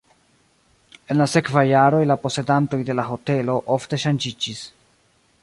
En la sekvaj jaroj la posedantoj de la hotelo ofte ŝanĝiĝis.